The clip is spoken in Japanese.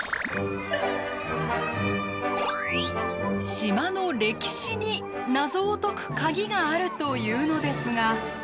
島の歴史に謎を解くカギがあるというのですが。